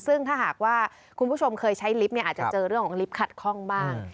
ซึ่งถ้าหากว่าคุณผู้ชมเคยใช้ลิฟต์เนี่ยอาจจะเจอเรื่องของลิฟต์ขัดข้องบ้าง